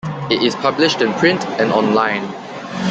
It is published in print and on-line.